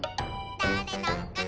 「だれのかな」